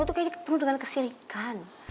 itu kayaknya penuh dengan kesirikan